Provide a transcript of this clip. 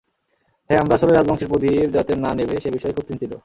হ্যাঁ, আমরা আসলে রাজবংশের প্রদীপ যাতে না নেভে, সে বিষয়ে খুব চিন্তিত।